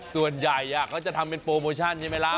ส่วนใหญ่เขาจะทำเป็นโปรโมชั่นใช่ไหมล่ะ